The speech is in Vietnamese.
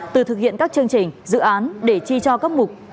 từ thực hiện các chương trình dự án để chi cho các mục